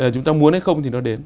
chúng ta muốn hay không thì nó đến